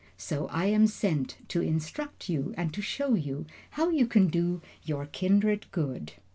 So I am sent to instruct you and to show you how you can do your kindred good."